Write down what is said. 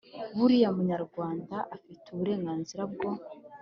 Buri Munyarwanda afite uburenganzira bwo